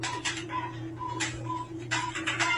افغان نجوني د ډیرو بهرنیو سفارتونو خدمتونه نه لري.